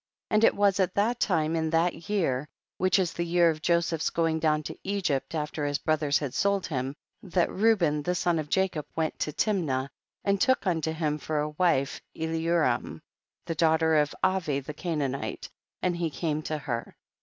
And it was at that time in that year, which is the year of Joseph's going down to Egypt after his bro thers had sold him, that Reuben the son of Jacob went to Timnah and took unto him for a wife Eliuram, the daughter of Avi the Canaanite, and he came to her.